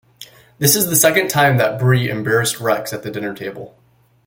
This is the second time that Bree embarrassed Rex at the dinner table.